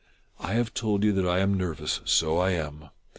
I have told you that I am nervous : so I am.